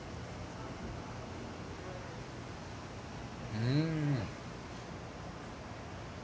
うん。